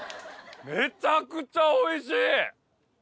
めちゃくちゃおいしい！